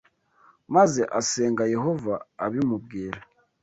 maze asenga Yehova abimubwira